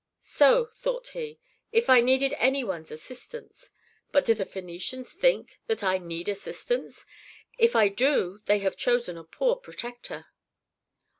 "So," thought he, "if I needed anyone's assistance! But do the Phœnicians think that I need assistance? If I do they have chosen a poor protector."